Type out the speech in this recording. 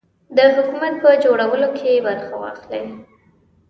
د حکومت په جوړولو کې برخه واخلي.